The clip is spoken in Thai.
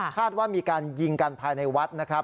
ว่ามีการยิงกันภายในวัดนะครับ